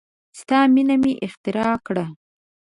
ستا مینه مې اختراع کړه